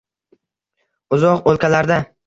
Uzoq o’lkalarda